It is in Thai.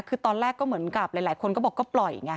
คือตอนแรกก็เหมือนกับหลายคนก็บอกก็ปล่อยไง